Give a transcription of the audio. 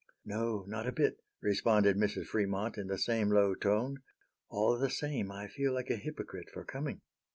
"No, not a bit," responded Mrs. Fremont, in the same low tone. "All the same, I feel like a hypocrite for coming."